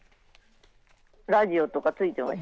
ラジオとかついていました。